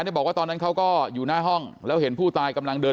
บอกว่าตอนนั้นเขาก็อยู่หน้าห้องแล้วเห็นผู้ตายกำลังเดิน